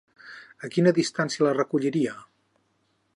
A quina distància la recolliria?